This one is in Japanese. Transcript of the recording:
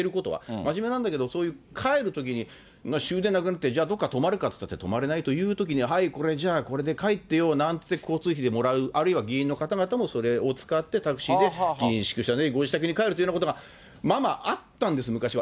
真面目なんだけど、そういう帰るときに、終電なくなって、じゃあ、どっか泊まるかっていったって、泊まれないというときに、はい、これ、じゃあ、これで帰ってよなんて、交通費でもらう、あるいは議員の方々もそれを使って、タクシーで議員宿舎へ、ご自宅に帰るということが、ままあったんです、昔は。